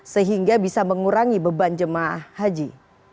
sehingga bisa mengurangi beban jemaah haji